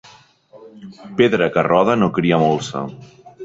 Pedra que roda no cria molsa.